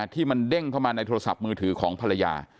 ที่มันเด้งเข้ามาในโทรศัพท์มือถือของภรรยา